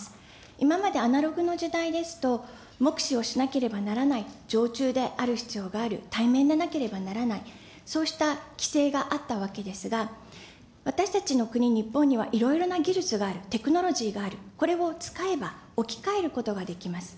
今までアナログの時代ですと、目視をしなければならない常駐である必要がある、対面でなければならない、そうした規制があったわけですが、私たちの国、日本にはいろいろな技術がある、テクノロジーがある、これを使えば置き換えることができます。